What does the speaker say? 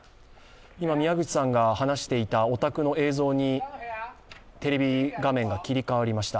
今、宮口さんが話していたお宅の映像にテレビ画面が切り替わりました。